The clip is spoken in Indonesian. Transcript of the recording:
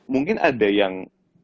mungkin ada yang